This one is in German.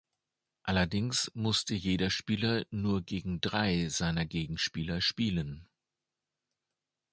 Allerdings musste jeder Spieler nur gegen drei seiner Gegenspieler spielen.